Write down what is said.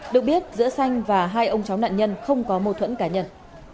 được biết giữa xanh và hai ông cháu nạn nhân không có mâu thuẫn cá nhân